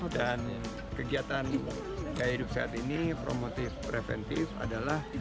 dan kegiatan kaya hidup sehat ini promotif preventif adalah